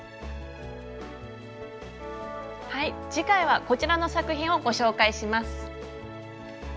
次回はこちらの作品をご紹介します。